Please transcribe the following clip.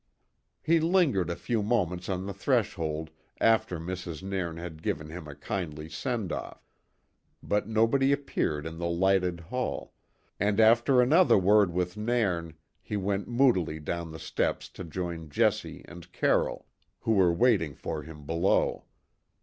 He lingered a few moments on the threshold after Mrs. Nairn had given him a kindly send off; but nobody appeared in the lighted hall, and after another word with Nairn he went moodily down the steps to join Jessie and Carroll, who were waiting for him below.